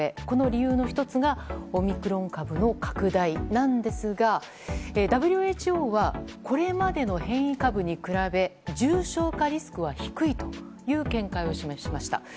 この理由の１つがオミクロン株の拡大なんですがＷＨＯはこれまでの変異株に比べ重症化リスクは低いという見解を示しました。